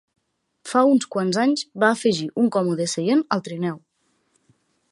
Fa uns quants anys, va afegir un còmode seient al trineu.